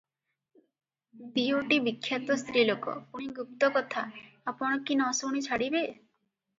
ଦିଓଟି ବିଖ୍ୟାତ ସ୍ତ୍ରୀଲୋକ ପୁଣି ଗୁପ୍ତକଥା ଆପଣ କି ନ ଶୁଣି ଛାଡ଼ିବେ?